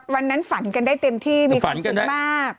ฝันกันได้เต็มที่มีความสุขมาก